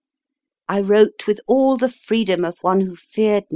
I wrote with all the freedom of one who feared not ^^^%.